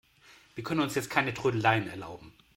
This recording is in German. Wir können uns jetzt keine Trödeleien erlauben.